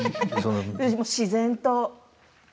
自然と。